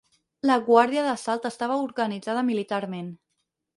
La Guàrdia d'Assalt estava organitzada militarment.